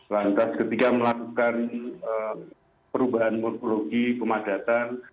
lantas ketika melakukan perubahan morfologi pemadatan